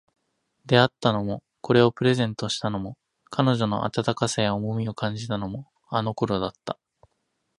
出会ったのも、これをプレゼントしたのも、彼女の温かさや重みを感じたのも、あの頃だった